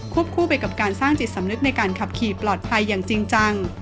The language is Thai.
คู่ไปกับการสร้างจิตสำนึกในการขับขี่ปลอดภัยอย่างจริงจัง